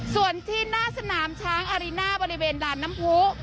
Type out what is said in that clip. ส่วนที่หน้าสนามช้างอาริน่าบริเวณด่านน้ำผู้